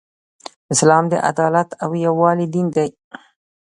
اسلام د عدالت او یووالی دین دی .